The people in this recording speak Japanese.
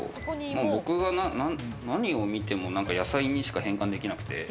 僕は何を見ても野菜にしか変換できなくて。